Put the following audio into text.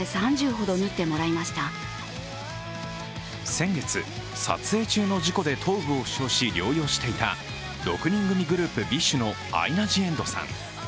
先月、撮影中の事故で頭部を負傷し療養していた６人グループＢｉＳＨのアイナ・ジ・エンドさん。